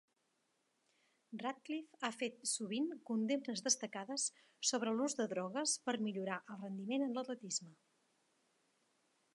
Radcliffe ha fet sovint condemnes destacades sobre l'ús de drogues per millorar el rendiment en l'atletisme.